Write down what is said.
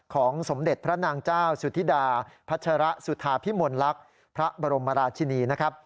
สมเด็จพระนางเจ้าสุธิดาพัชระสุธาพิมลลักษณ์พระบรมราชินีนะครับ